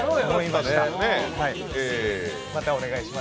またお願いします。